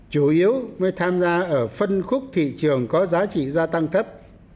chủ yếu mới tham gia ở phân khúc thị trường có giá trị gia tăng thấp